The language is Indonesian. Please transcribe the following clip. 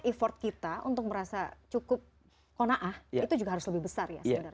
effort kita untuk merasa cukup kona'ah itu juga harus lebih besar ya sebenarnya